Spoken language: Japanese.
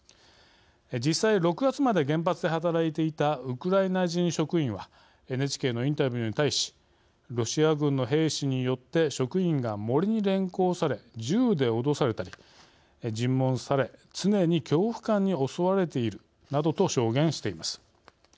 実際、６月まで原発で働いていたウクライナ人職員はＮＨＫのインタビューに対し「ロシア軍の兵士によって職員が森に連行され銃で脅されたり、尋問され常に恐怖感に襲われている」などと証言しています。